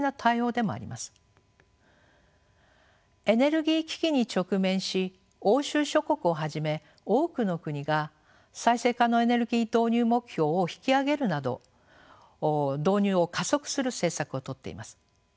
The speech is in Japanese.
エネルギー危機に直面し欧州諸国をはじめ多くの国が再生可能エネルギー導入目標を引き上げるなど導入を加速する政策をとっています。